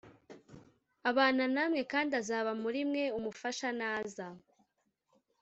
abana na mwe, kandi azaba muri mweUmufasha naza,